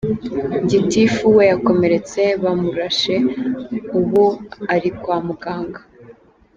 Gitifu we yakomeretse bamurashe ubu ari kwa muganga.